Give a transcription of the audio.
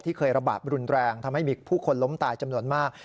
เคยระบาดรุนแรงทำให้มีผู้คนล้มตายจำนวนมาก